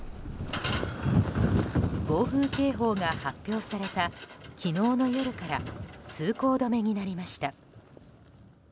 暴風警報が発表された昨日の夜から通行止めになりました。